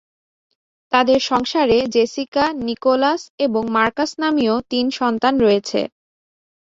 তাদের সংসারে Jessica, Nicholas এবং মার্কাস নামীয় তিন সন্তান রয়েছে।